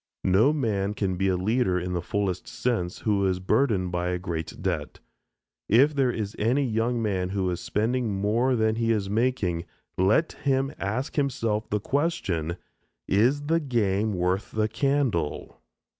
No man can be a leader in the fullest sense who is burdened by a great debt. If there is any young man who is spending more than he is making, let him ask himself the question, Is the game worth the candle?